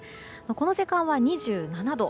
この時間は２７度。